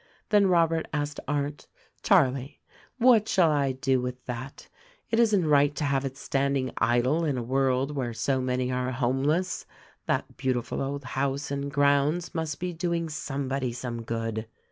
Then Robert asked Arndt, "Charlie, what shall I do with that? It isn't right to have it standing idle in a world where so many are homeless. That beautiful old house and grounds must be doing somebody some good."